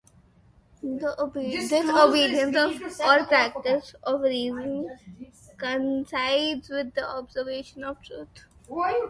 This obedience or practice of reason coincides with the observation of truth.